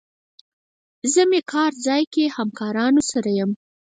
زه مې کار ځای کې همکارانو سره یم.